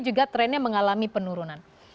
juga trendnya mengalami penurunan